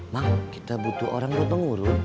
mang kita butuh orang buat mengurut